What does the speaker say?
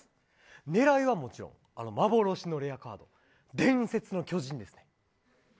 狙いはもちろん幻のレアカード伝説の巨人ですね。